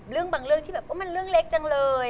เรื่องบางเรื่องที่แบบมันเรื่องเล็กจังเลย